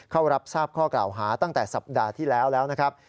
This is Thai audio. เข้ารับทราบข้อกล่าวหาตั้งแต่สัปดาห์ที่แล้วแล้วนะครับ